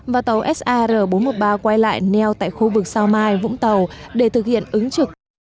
và tàu sar bốn trăm một mươi ba quay lại neo tại khu vực sao mai vũng tàu để thực hiện ứng trực